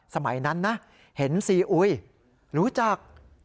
สมัยนั้นนะเห็นซีอุยรู้จัก